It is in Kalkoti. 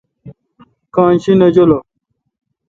کان شی نہ جولہ۔